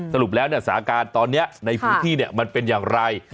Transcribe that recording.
สรุปแล้วเนี่ยสาการตอนเนี้ยค่ะในพื้นที่เนี่ยมันเป็นอย่างไร